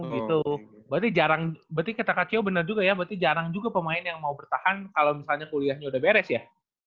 gitu berarti jarang berarti kata kak cio bener juga ya berarti jarang juga pemain yang mau bertahan kalo misalnya kuliahnya udah beres ya